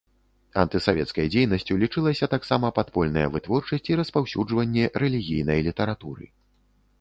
Антысавецкай дзейнасцю лічылася таксама падпольная вытворчасць і распаўсюджванне рэлігійнай літаратуры.